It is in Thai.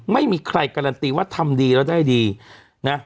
ไม่มีใครการันตีว่าทำดีแล้วได้ดีนะ